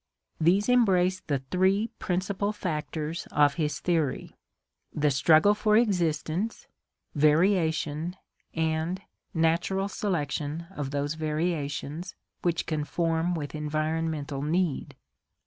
These embraced the three principal factors of his theory: the struggle for existence, variation, and natural selection of those variations which conform with environmental need.